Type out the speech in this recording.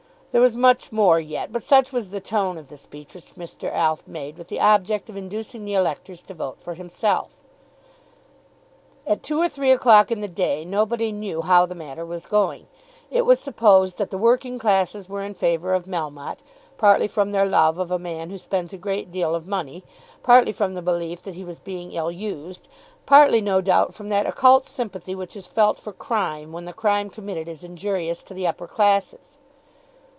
There was much more yet; but such was the tone of the speech which Mr. Alf made with the object of inducing the electors to vote for himself. At two or three o'clock in the day, nobody knew how the matter was going. It was supposed that the working classes were in favour of Melmotte, partly from their love of a man who spends a great deal of money, partly from the belief that he was being ill used, partly, no doubt, from that occult sympathy which is felt for crime, when the crime committed is injurious to the upper classes.